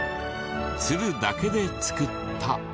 鶴だけで作った。